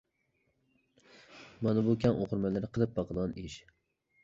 مانا بۇ كەڭ ئوقۇرمەنلەر قىلىپ باقىدىغان ئىش.